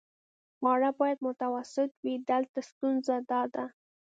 خواړه باید متوسط وي، دلته ستونزه داده.